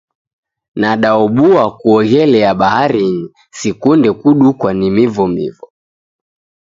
Nadaobua kuoghelia baharinyi, sikunde kudukwa ni mivomivo.